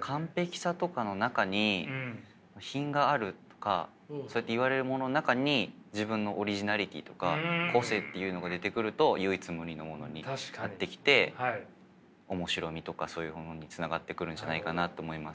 完璧さとかの中に品があるとかそうやって言われるものの中に自分のオリジナリティーとか個性っていうのが出てくると唯一無二のものが出来て面白みとかそういうものにつながってくるんじゃないかなと思います。